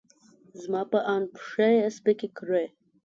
زما په اند، پښې یې سپکې کړې.